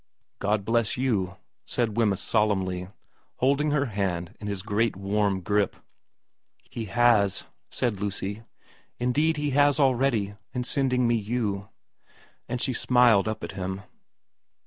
' God bless you' said Wemyss solemnly, holding her hand in his great warm grip. ' He has,' said Lucy. ' Indeed He has already, in sending me you.' And she smiled up at him.